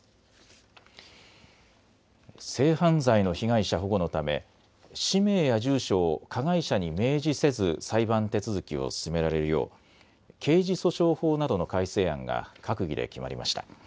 性犯罪の被害者保護のため氏名や住所を加害者に明示せず裁判手続きを進められるよう刑事訴訟法などの改正案が閣議で決まりました。